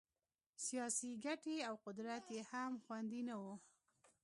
سیاسي ګټې او قدرت یې هم خوندي نه وو.